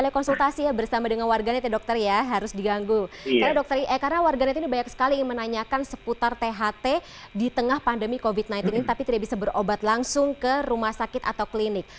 karena warganet ini banyak sekali yang menanyakan seputar tht di tengah pandemi covid sembilan belas ini tapi tidak bisa berobat langsung ke rumah sakit atau klinik